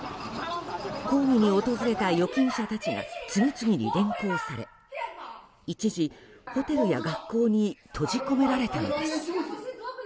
抗議に訪れた預金者たちが次々に連行され一時、ホテルや学校に閉じ込められたのです。